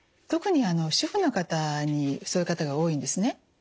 特に主婦の方にそういう方が多いんですね。